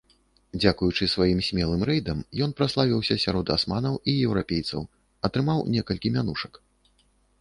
Дзякуючы сваім смелым рэйдам ён праславіўся сярод асманаў і еўрапейцаў, атрымаў некалькі мянушак.